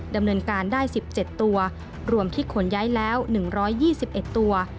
ดำเนินการได้๑๗ตัวรวมที่ขนย้ายแล้ว๑๒๑ตัว